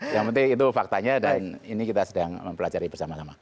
yang penting itu faktanya dan ini kita sedang mempelajari bersama sama